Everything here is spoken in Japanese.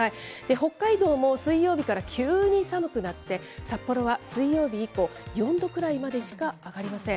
北海道も水曜日から急に寒くなって、札幌は水曜日以降、４度くらいまでしか上がりません。